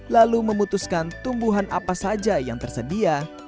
lalu memutuskan tumbuhan apa saja yang tersedia